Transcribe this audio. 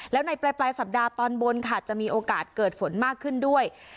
แล้วในปลายสัปดาห์ตอนบนค่ะจะมีโอกาสเกิดฝนมากขึ้นด้วย